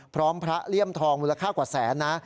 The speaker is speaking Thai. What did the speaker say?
พร้อมพระเลี่ยมทองมูลค่ากว่าแสนนะ